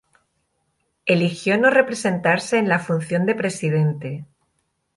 Eligió no representarse en la función de presidente.